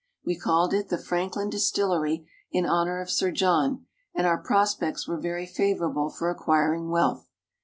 We called it the Franklin Distillery, in honor of Sir John, and our prospects were very favorable for acquiring wealth.